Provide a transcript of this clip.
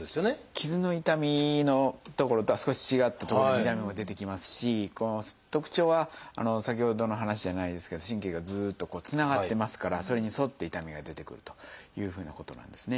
傷の痛みの所とは少し違った所に痛みも出てきますしこの特徴は先ほどの話じゃないですけど神経がずっとつながってますからそれに沿って痛みが出てくるというふうなことなんですね。